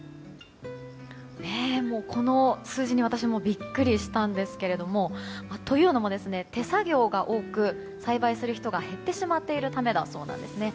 この数字に私もビックリしたんですけどというのも、手作業が多く栽培する人が減ってしまっているためだそうです。